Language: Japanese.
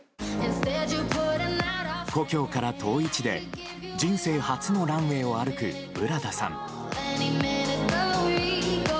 故郷から遠い地で人生初のランウェーを歩くブラダさん。